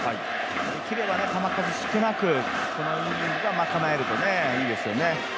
できれば、球数少なくこのイニングをまかなえるといいですよね。